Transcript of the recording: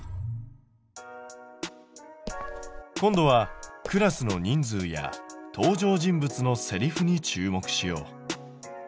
今度はクラスの人数や登場人物のセリフに注目しよう。